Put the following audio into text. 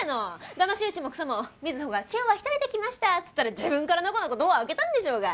だまし討ちもクソも瑞穂が「今日は１人で来ました」っつったら自分からのこのこドア開けたんでしょうが！